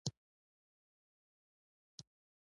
دا مواد اطراحیه غړو ته لیږدوي چې له بدن څخه ووځي.